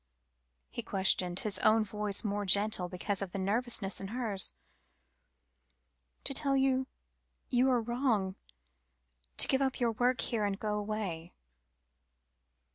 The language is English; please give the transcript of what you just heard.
he questioned, his own voice more gentle, because of the nervousness in hers. "To tell you you are wrong to give up your work here, and go away."